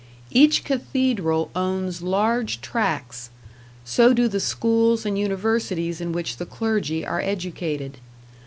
Each cathedral owns large tracts; so do the schools and universities in which the clergy are educated.